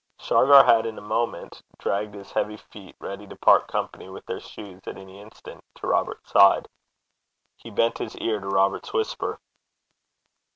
Shargar had, in a moment, dragged his heavy feet, ready to part company with their shoes at any instant, to Robert's side. He bent his ear to Robert's whisper.